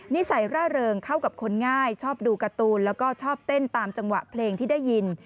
นิสัยร่าเริงเข้ากับคนง่ายชอบดูการ์ตูนแล้วก็ชอบเต้นตามจังหวะเพลงที่ได้ยิน